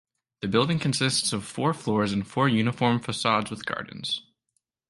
The building consists of four floors and four uniform facades with gardens.